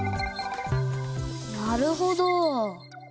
なるほど。